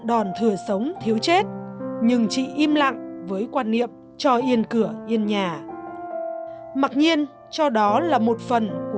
còn chồng chị cũng là một người có vị trí học tập